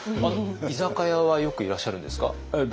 居酒屋はよくいらっしゃるんですか？